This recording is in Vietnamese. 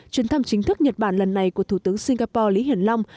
chuyến thăm chính thức nhật bản lần này của thủ tướng singapore lý hiển long